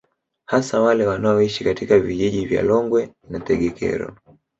Hasa wale wanaoishi katika vijiji vya Longwe na Tegekero